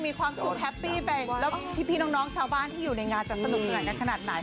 มีความสุขแฮปปี้แบงค์แล้วพี่น้องชาวบ้านที่อยู่ในงานจะสนุกขนาดไหน